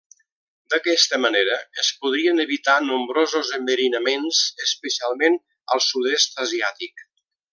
D'aquesta manera, es podrien evitar nombrosos enverinaments, especialment al sud-est asiàtic.